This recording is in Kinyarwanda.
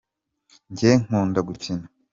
njyew nkunda gukina